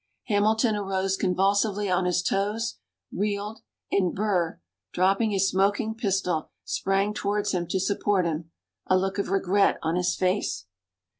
Hamilton arose convulsively on his toes, reeled, and Burr, dropping his smoking pistol, sprang towards him to support him, a look of regret on his face.